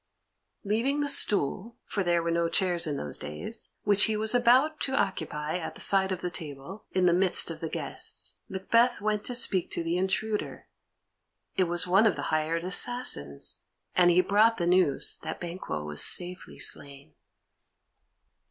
Leaving the stool (for there were no chairs in those days) which he was about to occupy at the side of the table, in the midst of the guests, Macbeth went to speak to the intruder. It was one of the hired assassins, and he brought the news that Banquo was safely slain.